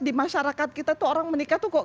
di masyarakat kita itu orang menikah itu kok